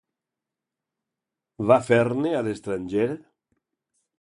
Va fer-ne a l'estranger?